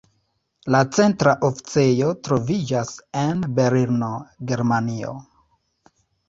La centra oficejo troviĝas en Berlino, Germanio.